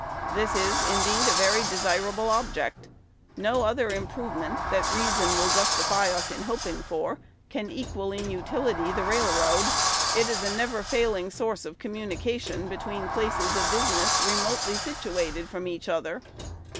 This is, indeed, a very desirable object. No other improvement that reason will justify us in hoping for can equal in utility the railroad. It is a never failing source of communication between places of business remotely situated from each other.